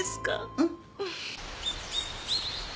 うん。